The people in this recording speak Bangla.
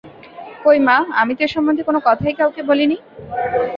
কই, মা, আমি তো এ সম্বন্ধে কোনো কথাই কাউকে বলি নি!